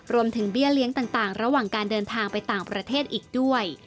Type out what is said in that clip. เบี้ยเลี้ยงต่างระหว่างการเดินทางไปต่างประเทศอีกด้วย